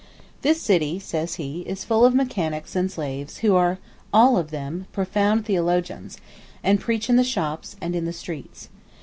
"This city," says he, "is full of mechanics and slaves, who are all of them profound theologians; and preach in the shops, and in the streets.